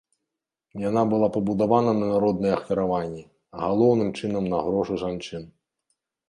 Яна была пабудавана на народныя ахвяраванні, галоўным чынам на грошы жанчын.